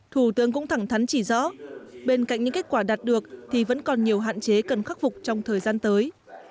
thủ tướng cũng thẳng thắn chỉ rõ bên cạnh những kết quả đạt được thì vẫn còn nhiều hạn chế cần khắc phục trong thời gian tới